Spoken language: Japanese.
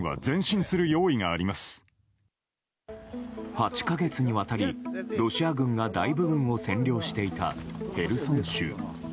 ８か月にわたりロシア軍が大部分を占領していたヘルソン州。